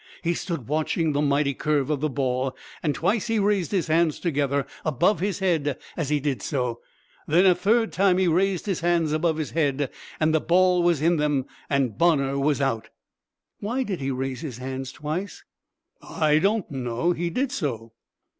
He stood watching the mighty curve of the ball, and twice he raised his hands together above his head as he did so. Then a third time he raised his hands above his head, and the ball was in them and Bonner was out." "Why did he raise his hands twice?" "I don't know. He did so."